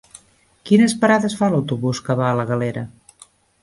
Quines parades fa l'autobús que va a la Galera?